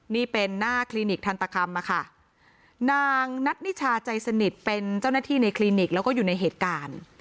นี่เป็นหน้าคลินิกทันตกรรมอะค่ะนางนัทนิชาใจสนิทเป็นเจ้าหน้าที่ในคลินิกแล้วก็อยู่ในเหตุการณ์